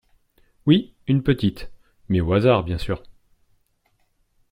Oui, une petite. Mais au hasard bien sûr.